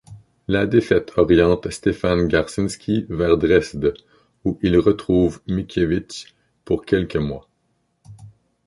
La défaite oriente Stefan Garczyński vers Dresde, où il retrouve Mickiewicz pour quelques mois.